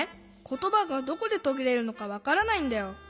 ことばがどこでとぎれるのかわからないんだよ。